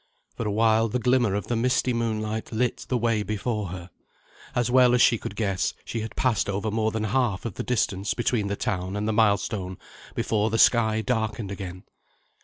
For a while, the glimmer of the misty moonlight lit the way before her. As well as she could guess, she had passed over more than half of the distance between the town and the milestone before the sky darkened again.